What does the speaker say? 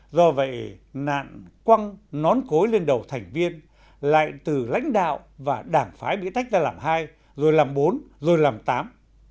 do vậy nạn quăng nón cối lên đầu thành viên lại từ lãnh đạo và đảng phái bị tách ra làm hai rồi làm bốn rồi làm tám